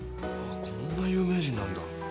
こんな有名人なんだぁ。